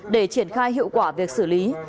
để triển khai hiệu quả việc xử lý